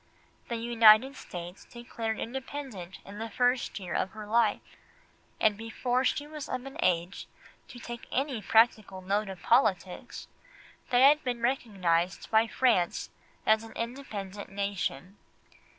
The United States were declared independent in the first year of her life, and before she was of an age to take any practical note of politics they had been recognised by France as an independent nation.